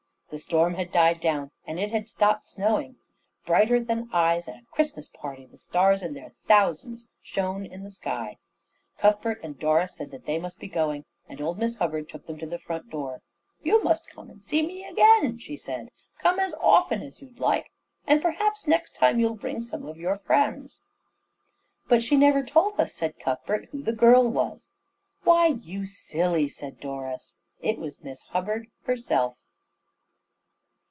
The storm had died down, and it had stopped snowing. Brighter than eyes at a Christmas party, the stars in their thousands shone in the sky. Cuthbert and Doris said that they must be going; and old Miss Hubbard took them to the front door. "You must come and see me again," she said. "Come as often as you like; and perhaps next time you'll bring some of your friends." "But she never told us," said Cuthbert, "who the girl was." "Why, you silly," said Doris, "it was Miss Hubbard herself."